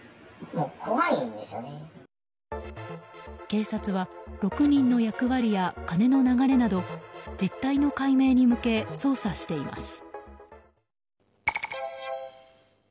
警察は６人の役割や金の流れなど実態の解明に向け捜査しています。